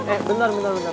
eh bentar bentar bentar